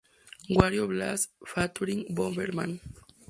Wario Blast: Featuring Bomberman!